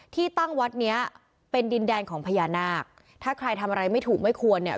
ที่ตั้งวัดเนี้ยเป็นดินแดนของพญานาคถ้าใครทำอะไรไม่ถูกไม่ควรเนี่ย